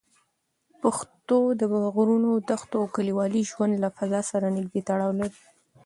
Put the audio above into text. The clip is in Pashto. پښتو د غرونو، دښتو او کلیوالي ژوند له فضا سره نږدې تړاو لري.